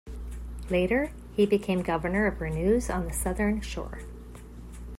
Later, he became governor of Renews on the Southern Shore.